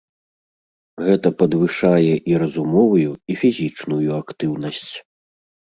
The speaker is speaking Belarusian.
Гэта падвышае і разумовую, і фізічную актыўнасць.